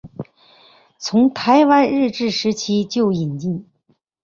从台湾日治时期就引进。